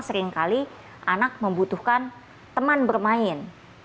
seringkali anak membutuhkan teman bermain